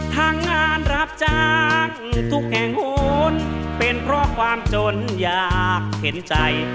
ทางงานรับจ้างทุกแห่งโหนเป็นเพราะความจนอยากเห็นใจ